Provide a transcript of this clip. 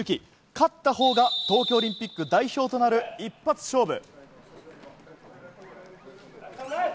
勝ったほうが東京オリンピック代表となる一発勝負。